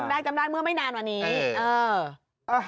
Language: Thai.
อ่าจำได้เมื่อไม่นานวันนี้เออ